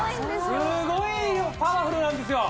すごいパワフルなんですよ